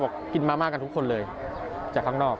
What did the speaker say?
กินมาม่ากันทุกคนเลยจากข้างนอก